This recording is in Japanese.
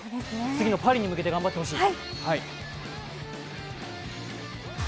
次のパリに向けて頑張ってほしい。